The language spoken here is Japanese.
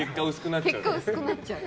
結果、薄くなっちゃう。